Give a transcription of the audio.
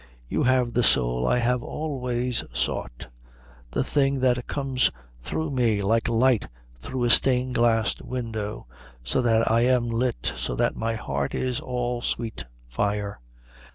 You have the soul I have always sought, the thing that comes through me like light through a stained glass window, so that I am lit, so that my heart is all sweet fire."